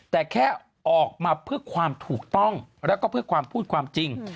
แต่แค่ออกมาเพื่อความถูกต้องแล้วก็เพื่อความพูดความจริง